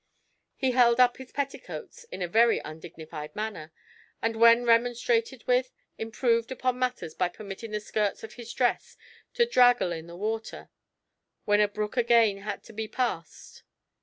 He held up his petticoats in a very undignified manner; and when remonstrated with, improved upon matters by permitting the skirts of his dress to draggle in the water, when a brook again had to be passed.